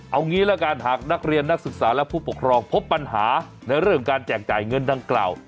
เอางี้ละกันหากนักเรียนนักศึกษาและผู้ปกครองพบปัญหาในเรื่องการแจกจ่ายเงินดังกล่าว